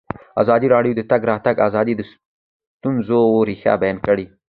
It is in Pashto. ازادي راډیو د د تګ راتګ ازادي د ستونزو رېښه بیان کړې.